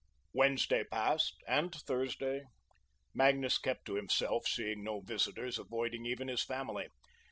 Wednesday passed, and Thursday. Magnus kept to himself, seeing no visitors, avoiding even his family.